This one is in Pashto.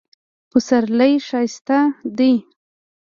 پسرلی ښایسته ده